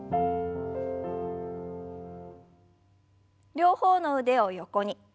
両方の腕を横に。